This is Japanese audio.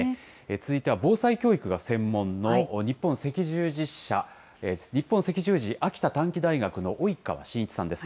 続いては防災教育が専門の日本赤十字秋田短期大学の及川真一さんです。